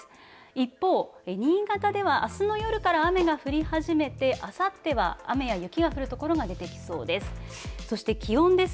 一方、新潟ではあすの夜から雨が降り始めて、あさっては雨や雪が降る所が出てきそうです。